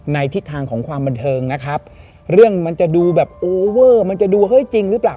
ทิศทางของความบันเทิงนะครับเรื่องมันจะดูแบบโอเวอร์มันจะดูเฮ้ยจริงหรือเปล่า